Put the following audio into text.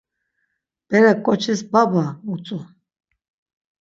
Berek ǩoçis 'baba' utzu.